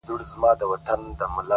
• هغه بل دي جېب ته ګوري وايی ساندي ,